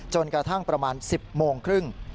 กระทั่งประมาณ๑๐โมงครึ่ง